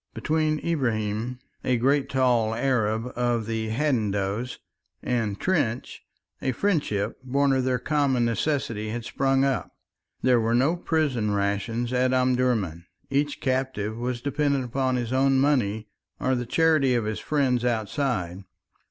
Between Ibrahim, a great tall Arab of the Hadendoas, and Trench, a friendship born of their common necessities had sprung up. There were no prison rations at Omdurman; each captive was dependent upon his own money or the charity of his friends outside.